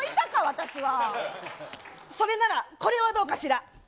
それならこれはどうかしら。